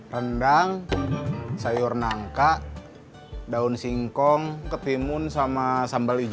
rendang sayur nangka daun singkong ketimun sama sambal hijau